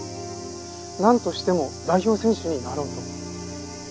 なんとしても代表選手になろうと。